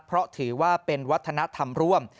เพราะถือว่าเป็นวัฒนธรรมร่วม